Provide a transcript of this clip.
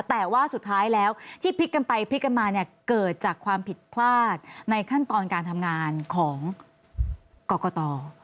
แต่ว่าสุดท้ายแล้วที่พลิกกันไปพลิกกันมาเนี่ยเกิดจากความผิดพลาดในขั้นตอนการทำงานของกรกต